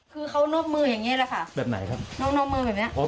คือเขานอกมืออย่างนี้แหละค่ะแบบไหนครับนอกมือแบบเนี้ยอ๋อ